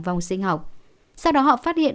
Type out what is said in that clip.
vòng sinh học sau đó họ phát hiện